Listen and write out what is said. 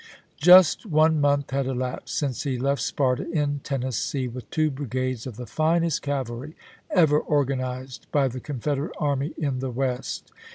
Just one month had elapsed since he left Sparta, in Tennessee, with two brigades of the finest cavalry ever organized by the Confederate army in the West.